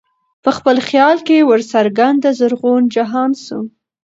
په خپل خیال کي ورڅرګند زرغون جهان سو